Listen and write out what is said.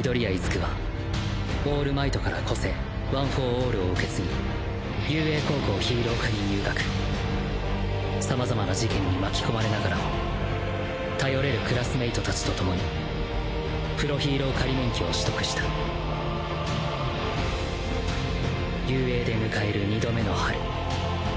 出久はオールマイトから個性ワン・フォー・オールを受け継ぎ雄英高校ヒーロー科に入学様々な事件に巻き込まれながらも頼れるクラスメイト達と共にプロヒーロー仮免許を取得した雄英で迎える二度目の春。